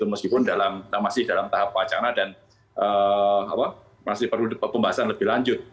meskipun masih dalam tahap wacana dan masih perlu pembahasan lebih lanjut